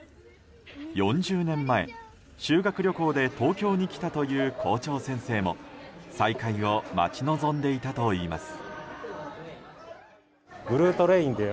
４０年前、修学旅行で東京に来たという校長先生も再開を待ち望んでいたといいます。